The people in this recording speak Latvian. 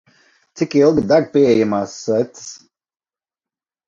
Cik ilgi deg pieejamās sveces?